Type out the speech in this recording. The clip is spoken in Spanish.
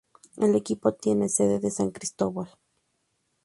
El equipo tiene sede en San Cristóbal.